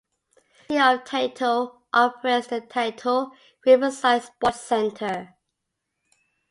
The City of Taito operates the Taito Riverside Sports Center.